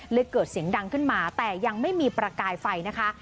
เกิดเสียงดังขึ้นมาแต่ยังไม่มีประกายไฟนะคะ